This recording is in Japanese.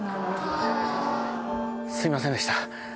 すいませんでした。